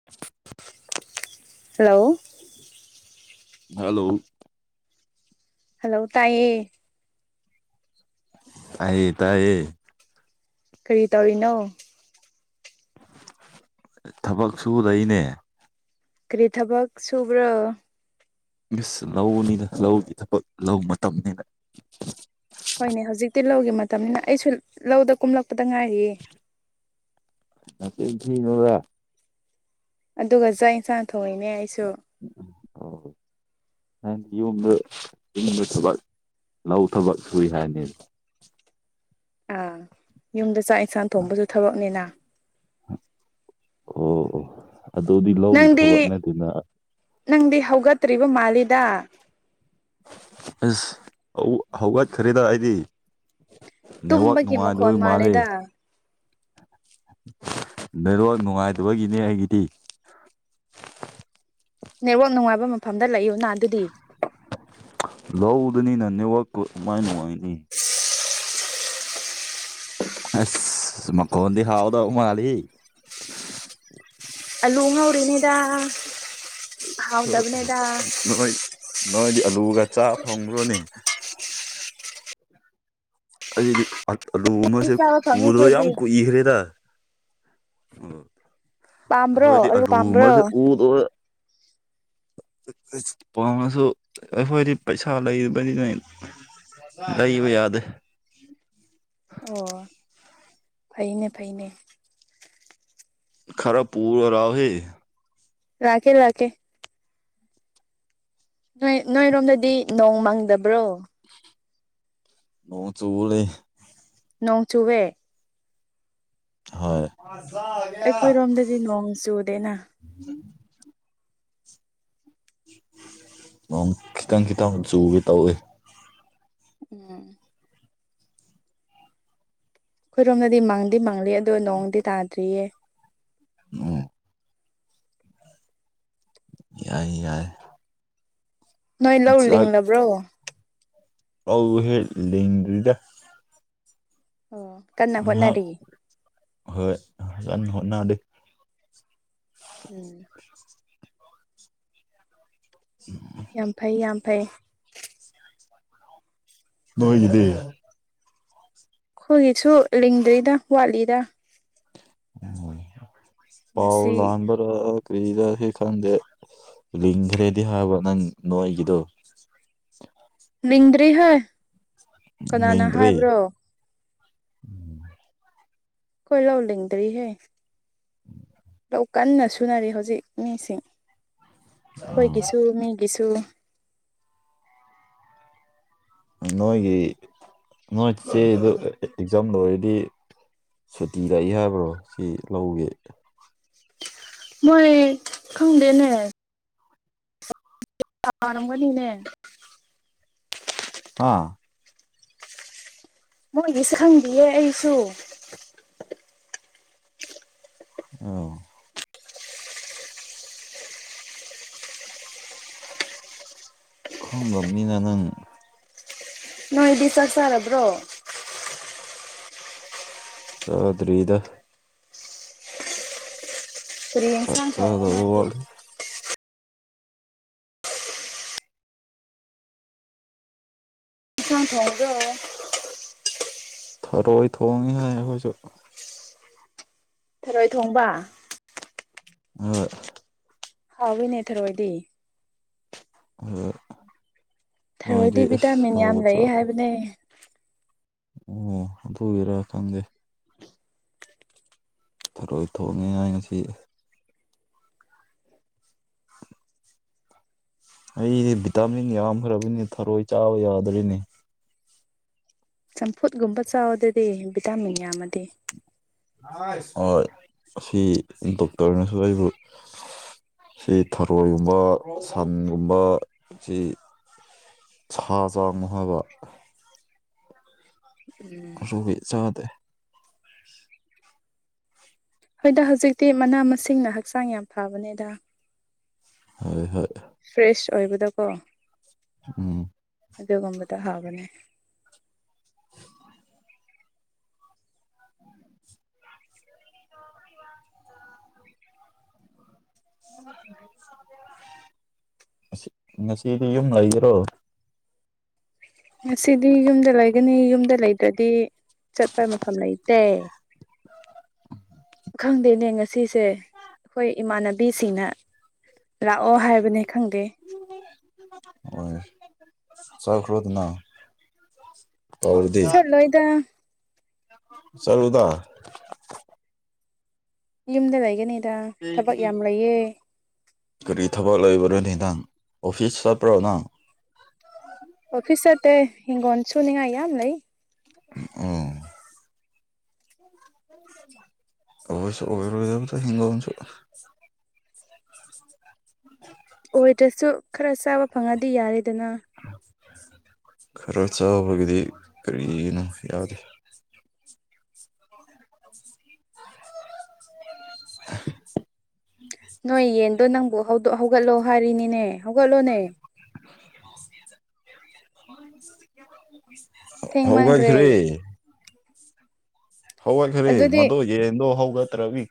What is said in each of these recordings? [unintelligible] hello hello hello ꯇꯥꯏꯌꯦ ꯇꯥꯏꯌꯦ ꯇꯥꯏꯌꯦ ꯀꯔꯤ ꯇꯧꯔꯤꯅꯣ ꯊꯕꯛ ꯁꯨ ꯂꯩꯅꯦ ꯀ꯭ꯔꯤ ꯊꯕꯛ ꯁꯨꯕ꯭ꯔ ꯃꯤꯁ ꯂꯧꯅꯤꯅ ꯂꯧꯒꯤ ꯊꯕꯛ ꯂꯧ ꯃꯇꯝꯅꯤꯅ ꯍꯣꯏꯅꯦ ꯍꯧꯖꯤꯛꯇꯤ ꯂꯧꯒꯤ ꯃꯇꯝꯅꯤꯅ ꯑꯩꯁꯨ ꯂꯧꯗ ꯀꯨꯝꯂꯛꯄꯗ ꯉꯥꯏꯔꯤꯌꯦ [unintelligible] ꯑꯗꯨꯒ ꯆꯥꯛ ꯏꯟꯁꯥꯡ ꯊꯣꯡꯉꯤꯅꯦ ꯑꯩꯁꯨ [unintelligible] [inaudible] ꯌꯨꯝꯗ ꯌꯨꯝꯗ ꯊꯕꯛ ꯂꯧ ꯊꯕꯛ ꯁꯨꯏ ꯍꯥꯏꯅꯦ ꯑꯥ ꯌꯨꯝꯗ ꯆꯥꯛ ꯏꯟꯁꯥꯡ ꯊꯣꯡꯕꯁꯨ ꯊꯕꯛꯅꯤꯅ ꯑꯣ ꯑꯣ ꯑꯗꯨꯗꯤ ꯂꯧꯒꯤ ꯊꯕꯛ ꯅꯪꯗꯤ ꯅꯠꯇꯦꯅ ꯅꯪꯗꯤ ꯍꯧꯒꯠꯇ꯭ꯔꯤꯕ ꯃꯥꯜꯂꯤꯗ ꯑꯁ ꯍꯧ ꯍꯧꯒꯠꯈꯔꯦꯗ ꯑꯩꯗꯤ ꯅꯦꯠꯋꯥꯛ ꯇꯨꯝꯕꯒꯤ ꯃꯈꯣꯟ ꯅꯨꯡꯉꯥꯏꯗꯣꯏ ꯃꯥꯜꯂꯤ ꯃꯥꯜꯂꯦꯗ [unintelligible] ꯅꯦꯠꯋꯥꯛ ꯅꯨꯡꯉꯥꯏꯗꯕꯒꯤꯅꯦ ꯑꯩꯒꯤꯗꯤ ꯅꯦꯠꯋꯥꯛ ꯅꯨꯡꯉꯥꯏꯕ ꯃꯐꯝꯗ ꯂꯩꯌꯨꯅ ꯑꯗꯨꯗꯤ [unintelligible] ꯂꯧꯗꯅꯤꯅ ꯅꯦꯠꯋꯥꯛꯄꯨ ꯀꯃꯥꯏ ꯅꯨꯡꯉꯥꯏꯅꯤ [unintelligible] ꯑꯁ ꯃꯈꯣꯟ ꯗꯤ ꯍꯥꯎꯗꯧ ꯃꯥꯜꯂꯤ ꯑꯜꯂꯨ ꯑꯁ ꯉꯧꯔꯤꯅꯤꯗ ꯍꯥꯎꯗꯕꯅꯦꯗ ꯅꯍꯣꯏ ꯅꯣꯏꯗꯤ ꯑꯜꯂꯨꯒ ꯆꯥ ꯐꯪꯕ꯭ꯔꯣꯅꯦ ꯑꯩꯗꯤ ꯑꯥ ꯑꯂꯨ ꯑꯃꯁꯦ ꯆꯥꯕ ꯐꯪꯉꯤ ꯎꯗꯕ ꯌꯥꯝ ꯑꯩꯈꯣꯏꯗꯤ ꯀꯨꯏꯈ꯭ꯔꯦꯗ ꯎꯝ ꯄꯥꯝꯕ꯭ꯔꯣ ꯑꯈꯣꯏꯗꯤ ꯑꯂꯨ ꯄꯥꯝꯕ꯭ꯔꯣ ꯑꯃꯁꯦ [unintelligible] ꯎꯠ ꯑꯁ ꯄꯥꯡꯉꯁꯨ ꯑꯈꯣꯏꯗꯤ ꯄꯩꯁꯥ ꯂꯩꯕꯅꯤꯅ ꯂꯩꯕ ꯌꯥꯗꯦ ꯑꯣ ꯐꯩꯅꯦ ꯐꯩꯅꯦ ꯈꯔ ꯄꯨꯔꯔꯥꯎꯍꯦ ꯂꯥꯛꯀꯦ ꯂꯥꯛꯀꯦ ꯅꯣꯏ ꯅꯣꯏꯔꯣꯝꯗꯗꯤ ꯅꯣꯡ ꯃꯪꯗꯕ꯭ꯔꯣ ꯅꯣꯡ ꯆꯨꯂꯦ ꯅꯣꯡ ꯆꯨꯋꯦ ꯍꯣꯏ ꯃꯖꯥ ꯑꯩꯈꯣꯏꯔꯣꯝꯗꯗꯤ ꯅꯣꯡ ꯆꯨꯗꯦꯅ [unintelligible] ꯅꯣꯡ ꯈꯤꯇꯪ ꯈꯤꯇꯪ ꯆꯨꯒꯦ ꯇꯧꯋꯦ ꯎꯝ ꯈꯣꯏꯔꯣꯝꯗꯤ ꯃꯪꯗꯤ ꯃꯪꯂꯤ ꯑꯗꯣ ꯅꯣꯡꯗꯤ ꯇꯥꯗ꯭ꯔꯤꯌꯦ ꯎꯝ ꯌꯥꯏ ꯌꯥꯏ ꯅꯣꯏ ꯂꯧ ꯂꯤꯡꯂꯕ꯭ꯔꯣ ꯑꯧꯍꯦ ꯂꯤꯡꯗ꯭ꯔꯤꯗ ꯑꯣ ꯉꯍꯥꯛ ꯍꯣꯏ ꯀꯟ ꯍꯣꯠꯅꯔꯤ ꯎꯝ [inaudible] ꯌꯥꯝ ꯐꯩ ꯌꯥꯝ ꯐꯩ [inaudible] ꯅꯣꯏꯒꯤꯗꯤ ꯈꯣꯏꯒꯤꯁꯨ ꯂꯤꯡꯗ꯭ꯔꯤꯗ ꯋꯥꯠꯂꯤꯗ ꯎꯝ ꯄꯥꯎ ꯉꯁꯤ ꯂꯥꯟꯕ ꯄꯨꯔ ꯀꯔꯤꯔꯍꯤ ꯈꯪꯗꯦ ꯂꯤꯡꯈ꯭ꯔꯦꯗꯤ ꯍꯥꯏꯕ ꯅꯪ ꯅꯣꯏꯒꯤꯗꯣ ꯂꯤꯡꯗ꯭ꯔꯤꯍꯦ ꯀꯅꯥꯅ ꯂꯤꯡꯗ꯭ꯔꯤ ꯍꯥꯏꯕ꯭ꯔꯣ ꯈꯣꯏ ꯂꯧ ꯂꯤꯡꯗ꯭ꯔꯤꯍꯦ [inaudible] ꯂꯧ ꯀꯟꯅ ꯁꯨꯅꯔꯤ ꯍꯧꯖꯤꯛ ꯃꯤꯁꯤꯡ ꯎꯝ ꯑꯩꯈꯣꯏꯒꯤꯁꯨ ꯃꯤꯒꯤꯁꯨ ꯅꯣꯏꯒꯤ ꯅꯣꯏ ꯆꯦꯗꯣ ꯑꯦꯛꯖꯥꯝ ꯂꯣꯏꯔꯗꯤ ꯁꯨꯇꯤ ꯂꯩ ꯍꯥꯏꯕ꯭ꯔꯣ ꯁꯤ ꯂꯧꯒꯤ ꯃꯣꯏ ꯈꯪꯗꯦꯅꯦ ꯇꯥꯔꯝꯒꯅꯤꯅꯦ ꯍꯥꯥ ꯃꯣꯏꯒꯤꯁꯨ ꯈꯡꯗꯤꯌꯦ ꯑꯩꯁꯨ ꯑꯣ ꯈꯪꯗꯝꯅꯤꯅ ꯅꯪ ꯅꯣꯏꯗꯤ ꯆꯥꯛ ꯆꯥꯔꯕ꯭ꯔꯣ ꯆꯥꯗꯔꯤꯗ ꯀꯔꯤ ꯆꯥꯛ ꯑꯦꯟꯁꯥꯡ ꯊꯣꯡꯉꯦ ꯆꯥꯗꯕ ꯅꯣꯏꯒꯤ ꯋꯥꯠꯂꯤ ꯑꯦꯟꯁꯥꯡ ꯊꯣꯡꯕꯔꯣ ꯊꯔꯣꯏ ꯊꯣꯡꯉꯤ ꯍꯥꯏ ꯑꯩꯈꯣꯏꯁꯨ ꯊꯔꯣꯏ ꯊꯣꯡꯕ ꯍꯣꯏ ꯍꯥꯎꯢꯅꯦ ꯊꯔꯣꯏꯗꯤ ꯑꯣ ꯅꯣꯏꯗꯤ ꯑꯍꯥꯎꯕ ꯆ ꯂꯩ ꯑꯣ ꯑꯗꯨꯒꯤꯔ ꯈꯪꯗꯦ ꯊꯔꯣꯏ ꯊꯣꯡꯉꯦ ꯍꯥꯏ ꯉꯁꯤ ꯑꯩꯗꯤ ꯚꯤꯇꯥꯃꯤꯟ ꯌꯥꯝꯈ꯭ꯔꯕꯅꯤꯅ ꯊꯔꯣꯏ ꯆꯥꯕ ꯌꯥꯗ꯭ꯔꯦꯅꯦ ꯆꯝꯐꯨꯠꯒꯨꯝꯕ ꯆꯥꯎ ꯑꯗꯨꯗꯤ ꯚꯤꯇꯥꯃꯤꯟ ꯌꯥꯝꯃꯗꯤ ꯍꯣꯏ ꯁꯤ ꯗꯣꯛꯇꯔꯅꯁꯨ ꯑꯩꯕꯨ ꯁꯤ ꯊꯔꯣꯏꯒꯨꯝꯕ ꯁꯟꯒꯨꯝꯕ ꯁꯤ ꯁꯥ ꯆꯥꯒꯅꯨ ꯍꯥꯏꯕ ꯎꯝ [unintelligible] ꯆꯥꯗꯦ ꯍꯣꯏꯗ ꯍꯧꯖꯤꯛꯇꯤ ꯃꯅꯥ ꯃꯁꯤꯡꯅ ꯍꯛꯆꯥꯡ ꯌꯥꯝ ꯐꯕꯅꯦꯗ ꯍꯣꯏ ꯍꯣꯏ ꯐ꯭ꯔꯦꯁ ꯑꯣꯏꯕꯗꯣꯀꯣ ꯎꯝ ꯑꯗꯨꯒꯨꯝꯕꯗꯣ ꯍꯥꯎꯒꯅꯤ ꯉꯁꯤ ꯉꯁꯤꯗꯤ ꯌꯨꯝ ꯂꯩꯕꯔꯣ ꯉꯁꯤꯗꯤ ꯌꯨꯝꯗ ꯂꯩꯒꯅꯤ ꯌꯨꯝꯗ ꯂꯩꯇ꯭ꯔꯗꯤ ꯆꯠꯄ ꯃꯐꯝ ꯂꯩꯇꯦ ꯈꯪꯗꯦꯅꯦ ꯉꯁꯤꯁꯦ ꯑꯩꯈꯣꯏ ꯏꯃꯥꯟꯅꯕꯤꯁꯤꯡꯅ ꯂꯥꯛꯑꯣ ꯍꯥꯏꯕꯅꯦ ꯈꯪꯗꯦ ꯍꯣꯏ ꯆꯠꯈ꯭ꯔꯣꯗꯅ ꯆꯠꯂꯣꯏꯗ ꯆꯠꯂꯨꯗ ꯌꯨꯝꯗ ꯂꯩꯒꯅꯤꯗ ꯊꯕꯛ ꯌꯥꯝ ꯂꯩꯌꯦ ꯀꯔꯤ ꯊꯕꯛ ꯂꯩꯕꯔꯅꯦ ꯅꯪ ꯑꯣꯐꯤꯁ ꯆꯠꯄ꯭ꯔꯣ ꯅꯪ ꯑꯣꯐꯤꯁ ꯆꯠꯇꯦ ꯍꯤꯡꯒꯣꯜ ꯁꯨꯅꯤꯡꯉꯥꯏ ꯌꯥꯝ ꯂꯩ ꯎꯝ ꯑꯣꯏꯁꯨ ꯑꯣꯏꯔꯣꯏꯗꯕꯗ ꯍꯤꯡꯒꯣꯟꯁꯨ [unintelligible] [unintelligible] ꯑꯣꯏꯗ꯭ꯔꯁꯨ ꯈꯔ ꯆꯥꯕ ꯐꯪꯉꯗꯤ ꯌꯥꯔꯦꯗꯅ ꯈꯔ ꯆꯥꯕꯒꯤꯗꯤ ꯀꯔꯤꯅꯣ ꯌꯥꯗꯦ [unintelligible] ꯅꯣꯏ ꯌꯦꯟꯗꯣ ꯅꯪꯕꯨ ꯍꯧꯗꯣꯛ ꯍꯧꯒꯠꯂꯣ ꯍꯥꯏꯔꯤꯅꯤꯅꯦ ꯍꯧꯒꯠꯂꯣꯅꯦ [unintelligible] ꯊꯦꯡꯃꯟꯈ꯭ꯔꯦ ꯍꯧꯒꯠꯈ꯭ꯔꯦ ꯍꯧꯒꯠꯈ꯭ꯔꯦ ꯑꯗꯨꯗꯤ ꯃꯗꯣ ꯌꯦꯟꯗꯣ ꯍꯧꯒꯠꯇ꯭ꯔꯕꯤ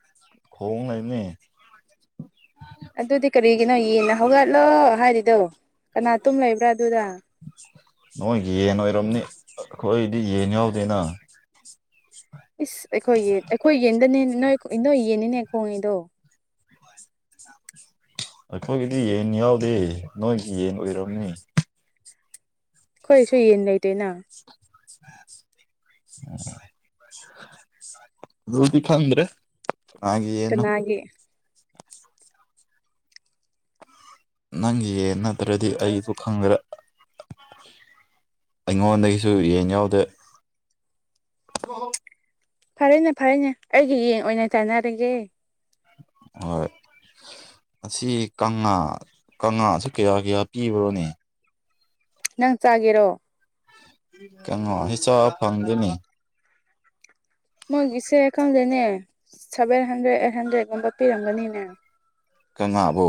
ꯈꯣꯡ ꯂꯩꯝꯅꯦ ꯑꯗꯨꯗꯤ ꯀꯔꯤꯒꯤꯅꯣ ꯌꯦꯟꯅ ꯍꯧꯒꯠꯂꯣ ꯍꯥꯏꯔꯤꯗꯣ ꯀꯅꯥ ꯇꯨꯝ ꯂꯩꯕ꯭ꯔꯥ ꯑꯗꯨꯗ ꯅꯣꯏꯒꯤ ꯌꯦꯟ ꯑꯣꯏꯔꯝꯅꯤ ꯑꯩꯈꯣꯏꯒꯤꯗꯤ ꯌꯦꯟ ꯌꯥꯎꯗꯦꯅ [unintelligible] ꯏꯁ ꯑꯩꯈꯣꯏ ꯌꯦꯟ ꯑꯩꯈꯣꯏ ꯌꯦꯟꯗꯅꯦ ꯅꯣꯏ ꯅꯣꯏ ꯌꯦꯟꯅꯤꯅꯦ ꯈꯣꯡꯉꯤꯗꯣ ꯑꯩꯈꯣꯏꯒꯤꯗꯤ ꯌꯦꯟ ꯌꯥꯎꯗꯦ ꯅꯣꯏꯒꯤ ꯌꯦꯟ ꯑꯣꯏꯔꯝꯅꯤ ꯑꯩꯈꯣꯏꯒꯤꯁꯨ ꯌꯦꯟ ꯂꯩꯇꯦꯅ ꯑꯗꯨꯗꯤ ꯈꯡꯗ꯭ꯔꯦ ꯀꯅꯥꯒꯤ ꯌꯦꯟꯅꯣ ꯀꯅꯥꯒꯤ ꯅꯪꯒꯤ ꯌꯦꯟ ꯅꯠꯇ꯭ꯔꯗꯤ ꯑꯩꯁꯨ ꯈꯪꯗ꯭ꯔꯦ [unintelligible] ꯑꯩꯉꯣꯟꯗꯒꯤꯁꯨ ꯌꯦꯟ ꯌꯥꯎꯗꯦ [unintelligible] ꯐꯔꯦꯅꯦ ꯐꯔꯦꯅꯦ ꯑꯩꯒꯤ ꯌꯦꯡ ꯑꯣꯏꯅ ꯇꯥꯏꯅꯔꯒꯦ ꯍꯣꯏ ꯑꯁꯤ ꯀꯪꯉꯥ ꯀꯪꯉꯥꯁꯤ ꯀꯌꯥ ꯀꯌꯥ ꯄꯤꯕ꯭ꯔꯣꯅꯦ ꯅꯪ ꯆꯥꯒꯦꯔꯣ ꯀꯩꯅꯣ ꯍ ꯆꯥ ꯐꯪꯗꯅꯤ ꯃꯣꯏꯒꯤ ꯏꯆꯦ ꯑꯦꯀꯥꯎꯟꯗꯅꯦ ꯁꯚꯦꯟ ꯍꯟꯗ꯭ꯔꯦꯗ ꯑꯩꯠ ꯍꯟꯗ꯭ꯔꯦꯠꯀꯨꯝꯕ ꯄꯤꯔꯝꯒꯅꯤꯅꯦ ꯀꯪꯂꯥꯕꯨ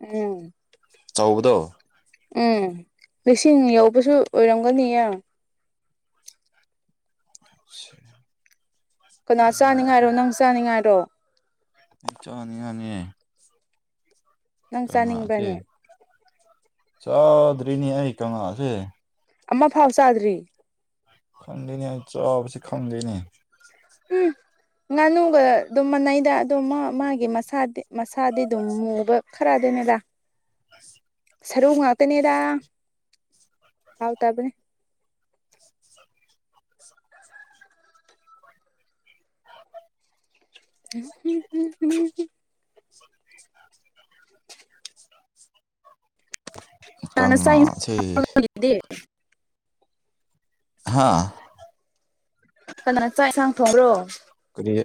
ꯎꯝ ꯇꯧꯕꯗꯣ ꯎꯝ ꯂꯤꯁꯤꯡ ꯌꯧꯕꯁꯨ ꯑꯣꯏꯔꯝꯒꯅꯤꯌꯦ [inaudible] ꯀꯅꯥ ꯆꯥꯅꯤꯡꯉꯥꯏꯔꯣ ꯑꯩ ꯅꯪ ꯆꯥꯅꯤꯡꯉꯥꯏꯔꯣ ꯆꯅꯤ ꯑꯅꯤ ꯅꯪ ꯀꯃꯥꯁꯦ ꯆꯥꯅꯤꯡꯕ꯭ꯔꯅꯦ ꯆꯗꯔꯤꯅꯤ ꯑ ꯀꯃꯥꯁꯦ ꯑꯃꯐꯥꯎ ꯆꯥꯗ꯭ꯔꯤ ꯈꯪꯗꯣꯏꯅꯦ ꯑꯩ ꯆꯥꯕꯁꯤ ꯈꯪꯗꯣꯏꯅꯤ ꯎ ꯉꯥꯅꯨꯒ ꯑꯗꯨꯝ ꯃꯥꯟꯅꯩꯗ ꯑꯗꯨꯝ ꯃꯥꯒꯤ ꯃꯁꯥꯗꯤ ꯃꯁꯥꯗꯤ ꯑꯗꯨꯝ ꯃꯨꯕ ꯈꯔꯗꯤꯅꯦꯗꯥ ꯑꯁ ꯁꯔꯨ ꯉꯥꯛꯇꯅꯦꯗ ꯍꯥꯎꯇꯕꯅꯦ ꯎ [inaudible] ꯉꯅꯁꯥꯏꯟꯦ ꯀꯪꯂꯥꯁꯦ ꯍꯥꯥ ꯀꯩꯅꯅ ꯆꯥꯛ ꯌꯦꯟꯁꯥꯡ ꯊꯣꯡꯈꯣ ꯀꯔꯤꯌꯦ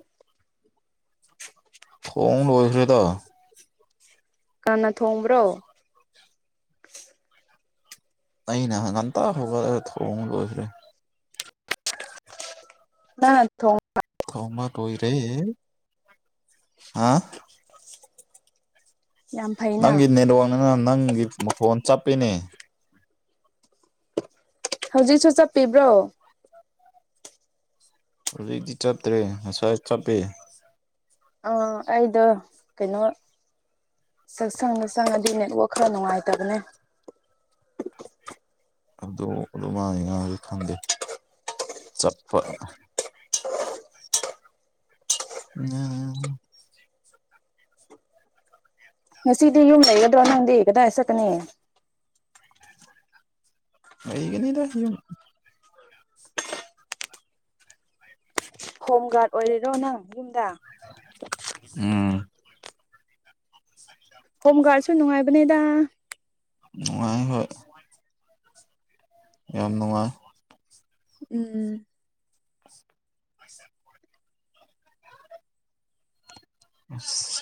ꯊꯣꯡ ꯂꯣꯏꯈ꯭ꯔꯦꯗꯣ ꯀꯅ ꯊꯣꯡꯕ꯭ꯔꯣ ꯑꯩꯅ ꯍꯪ ꯉꯟꯇ ꯍꯧꯒ ꯊꯣꯡ ꯂꯣꯏꯈ꯭ꯔꯦ ꯅ ꯊꯣ ꯊꯝꯕ ꯇꯣꯏꯔꯦ ꯑ ꯌꯥꯝ ꯐꯩꯅ ꯅꯪꯒꯤ ꯅꯦꯠꯋꯥꯛꯅꯤꯅ ꯅꯪꯒꯤ ꯐꯣꯟ ꯆꯠꯄꯅꯦ ꯍꯧꯖꯤꯛꯁꯨ ꯆꯠꯄꯤꯕ꯭ꯔꯣ ꯍꯧꯖꯤꯛꯇꯤ ꯆꯠꯇ꯭ꯔꯦ ꯉꯁꯥꯏ ꯆꯠꯄꯦ ꯑꯣ ꯑꯩꯗꯣ ꯀꯩꯅꯣ ꯁꯥ ꯁꯪꯗ ꯁꯪꯉꯗꯤ ꯅꯦꯠꯋꯥꯛ ꯈꯔ ꯅꯨꯡꯉꯥꯏꯇꯕꯅꯦ ꯑꯗꯨ ꯑꯗꯨꯃꯥꯏ ꯉꯥꯡꯉꯥꯗꯤ ꯈꯪꯗꯦ ꯆꯞꯄ [unintelligible] ꯉꯁꯤꯗꯤ ꯌꯨꯝ ꯂꯩꯒꯥꯗ꯭ꯔꯣ ꯅꯪꯗꯤ ꯀꯗꯥꯏ ꯆꯠꯀꯥꯅꯤ ꯂꯩꯩꯒꯅꯤꯗ ꯌꯨꯝ ꯍꯣꯝ ꯒꯥꯔꯗ ꯑꯣꯏꯔꯤꯔꯣ ꯅꯪ ꯌꯨꯝꯗ ꯎꯝ [unintelligible] ꯍꯣꯝ ꯒꯥꯔꯗꯁꯨ ꯅꯨꯡꯉꯥꯏꯕꯅꯦꯗ ꯅꯨꯡꯉꯥꯏ ꯍꯣꯏ ꯌꯥꯝ ꯅꯨꯡꯉꯥꯏ ꯎꯝ [unintelligible] ꯑꯁꯦ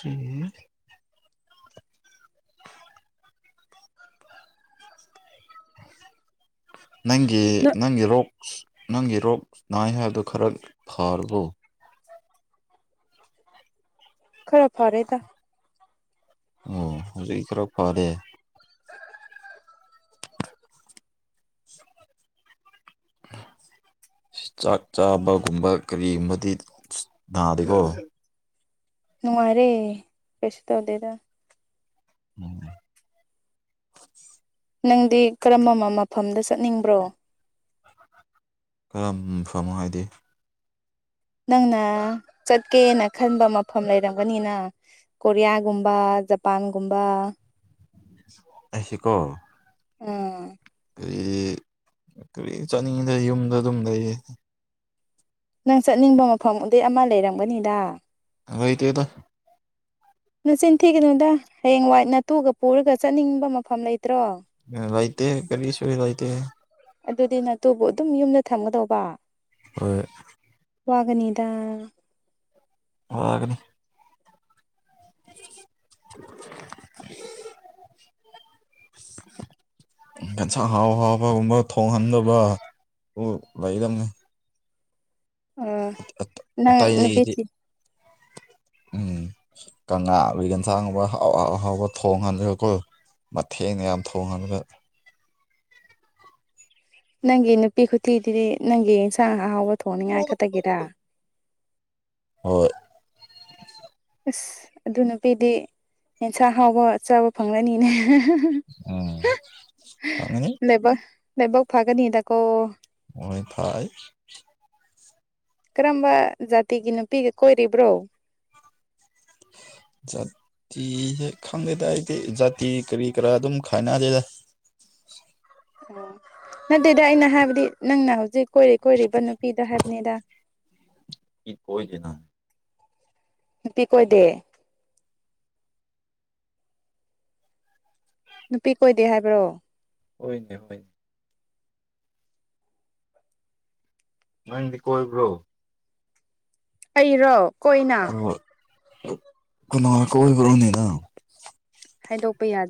[inaudible] ꯅꯪꯒꯤ ꯅꯪ ꯅꯪꯒꯤ ꯔꯣꯛꯁ ꯅꯪꯒꯤ ꯔꯣꯛꯁ ꯅꯥꯏ ꯍꯥꯏꯕꯗꯣ ꯈꯔ ꯐꯔꯕꯣ ꯈꯔ ꯐꯥꯔꯦꯗ ꯑꯣ ꯍꯧꯖꯤꯛ ꯈꯔ ꯐꯔꯦ ꯆꯥꯛ ꯆꯥꯕꯒꯨꯝꯕ ꯀꯔꯤꯒꯨꯝꯕꯗꯤ ꯅꯥꯗꯦꯀꯣ ꯅꯨꯡꯉꯥꯏꯔꯦ ꯀꯩꯁꯨ ꯇꯧꯗꯦꯗ [unintelligible] ꯅꯪꯗꯤ ꯀꯔꯝꯕ ꯃꯐꯝꯗ ꯆꯠꯅꯤꯡꯕ꯭ꯔꯣ ꯀꯔꯝꯕ ꯃꯥꯐꯝ ꯍꯥꯏꯗꯤ ꯅꯪꯅ ꯆꯠꯀꯦꯅ ꯈꯟꯕ ꯃꯐꯝ ꯂꯩꯔꯝꯒꯅꯤꯅ ꯀꯣꯔꯤꯌꯥꯒꯨꯝꯕ ꯖꯄꯥꯟꯒꯨꯝꯕ ꯑꯩꯁꯤꯀꯣ ꯑ ꯀꯔꯤ ꯀꯔꯤ ꯆꯠꯅꯤꯡꯉꯤꯗ ꯌꯨꯝꯗ ꯑꯗꯨꯝ ꯂꯩꯌꯦ ꯅꯪ ꯆꯠꯅꯤꯡꯕ ꯃꯐꯝ ꯗꯤ ꯑꯃ ꯂꯩꯔꯝꯒꯅꯤꯗ ꯂꯩꯇꯦꯗ ꯅꯆꯤꯟ ꯊꯤꯒꯅꯨꯗ ꯍꯌꯦꯡ ꯋꯥꯏ ꯅꯇꯨꯒ ꯄꯨꯔꯒ ꯆꯠꯅꯤꯡꯕ ꯃꯐꯝ ꯂꯩꯇ꯭ꯔꯣ ꯂꯩꯇꯦꯍꯦ ꯀꯔꯤꯁꯤ ꯂꯩꯇꯦꯍꯦ ꯑꯗꯨꯗꯤ ꯅꯠꯇꯨꯕꯨ ꯑꯗꯨꯝ ꯌꯨꯝꯗ ꯊꯝꯒꯗꯧꯕ ꯍꯣꯏ ꯋꯥꯒꯅꯤꯗꯥ ꯋꯥꯒꯅꯤ [inaudible] ꯑꯦꯟꯁꯥꯡ ꯍꯥꯎ ꯍꯥꯎꯕꯒꯨꯝꯕ ꯊꯣꯡꯍꯟꯗꯧꯕ ꯂꯩꯗꯝꯅꯤ ꯑ ꯅꯪ ꯑꯇꯩꯗꯒꯤꯗꯤ ꯅꯨꯄꯤꯊꯤ ꯎꯝ ꯀꯪꯂꯥ [unintelligible] ꯑꯦꯟꯁꯥꯡ ꯑꯍꯥꯎ ꯑꯍꯥꯎꯕ ꯊꯣꯡꯍꯟꯔꯀꯣ ꯃꯊꯦꯟ ꯌꯥꯝ ꯊꯣꯡꯍꯟꯒ ꯅꯪꯒꯤ ꯅꯨꯄꯤ ꯈꯨꯊꯤꯗꯨꯗꯤ ꯅꯪꯒꯤ ꯑꯦꯟꯁꯥꯡ ꯑꯍꯥꯎꯕ ꯊꯣꯡꯅꯤꯉꯥꯏ ꯈꯛꯇꯒꯤꯔꯥ ꯑꯣꯏ ꯑꯁ ꯑꯗꯨ ꯅꯨꯄꯤꯗꯤ ꯌꯦꯟꯁꯥꯡ ꯑꯍꯥꯎꯕ ꯆꯥꯕ ꯐꯪꯂꯅꯤꯅꯦ ꯎꯝ ꯈꯪꯒꯅꯤ ꯂꯩꯕꯛ ꯂꯩꯕꯛ ꯐꯥꯒꯅꯤꯗꯀꯣ ꯍꯣꯏ ꯐꯩ ꯀꯔꯝꯕ ꯖꯥꯇꯤꯒꯤ ꯅꯨꯄꯤꯒ ꯀꯣꯏꯔꯤꯕ꯭ꯔꯣ ꯆꯠ ꯥꯇꯤꯖꯦ ꯈꯪꯗꯦꯗ ꯑꯩꯗꯤ ꯖꯥꯇꯤ ꯀꯔꯤ ꯀꯔꯥ ꯑꯗꯨꯝ ꯈꯥꯏꯅꯗꯦꯗ ꯑꯣ ꯅꯠꯇꯦꯗ ꯑꯩꯅ ꯍꯥꯏꯕꯗꯤ ꯅꯪꯅ ꯍꯧꯖꯤꯛ ꯀꯣꯏꯔꯤ ꯀꯣꯏꯔꯤꯕ ꯅꯨꯄꯤꯗꯣ ꯍꯥꯏꯕꯅꯦꯗ ꯏ ꯀꯣꯏꯗꯦꯅ ꯅꯨꯄꯤ ꯀꯣꯏꯗꯦ ꯅꯨꯄꯤ ꯀꯣꯏꯗꯦ ꯍꯥꯏꯕ꯭ꯔꯣ ꯍꯣꯏꯅꯦ ꯍꯣꯏꯅꯦ ꯅꯪꯗꯤ ꯀꯣꯏꯕ꯭ꯔꯣ ꯑꯩꯔꯣ ꯀꯣꯏꯅ ꯍꯣꯏ ꯀꯅꯥ ꯀꯣꯏꯕ꯭ꯔꯣꯅꯦ ꯅꯪ ꯍꯥꯏꯗꯣꯛꯄ ꯌꯥꯗꯦ